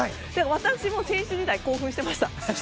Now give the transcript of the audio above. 私も選手時代興奮してました。